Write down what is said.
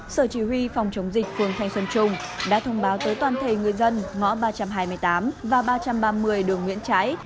sở chỉ huy phòng chống dịch phường thanh xuân trung đã thông báo tới toàn thể người dân ngõ ba trăm hai mươi tám và ba trăm ba mươi đường nguyễn trãi